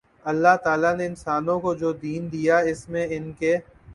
اللہ تعالی نے انسانوں کو جو دین دیا اس میں ان کے